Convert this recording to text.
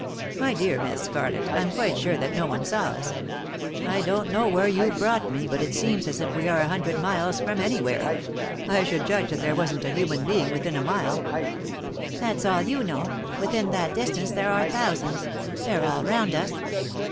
"My dear Miss Scarlett, I'm quite sure that no one saw us. I don't know where you've brought me, but it seems as if we are a hundred miles from any where; I should judge that there wasn't a human being within a mile." " That's all you know ; within that distance there are thousands. They're all round us.